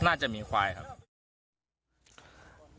น่าจะมีควายครับ